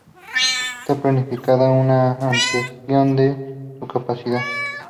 Está planificada una ampliación de su capacidad.